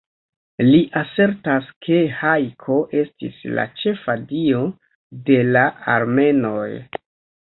Li asertas ke Hajko estis la ĉefa dio de la armenoj.